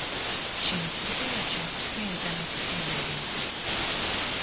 Kino kiseera kya kusinza na kutendereza.